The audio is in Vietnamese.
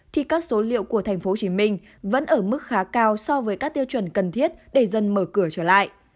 thì các số liệu của tp hcm vẫn ở mức khá cao so với các tiêu chuẩn cần thiết để dân mở cửa trở lại